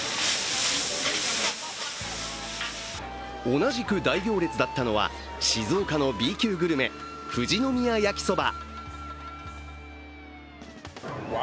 同じく大行列だったのは、静岡のＢ級グルメ富士宮やきそば。